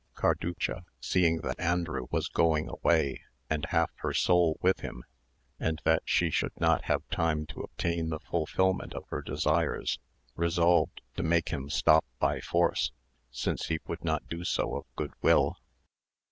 Carducha, seeing that Andrew was going away and half her soul with him, and that she should not have time to obtain the fulfilment of her desires, resolved to make him stop by force, since he would not do so of good will.